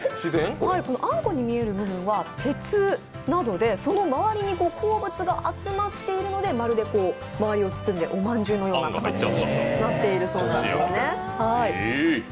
あんこに見える部分は鉄などで、その周りに鉱物が集まっているので、まるでおまんじゅうのような形になっているそうなんですね。